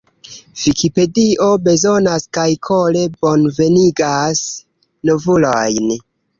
Vikipedio bezonas kaj kore bonvenigas novulojn!